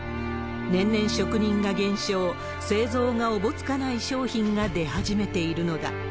年々職人が減少、製造がおぼつかない商品が出始めているのだ。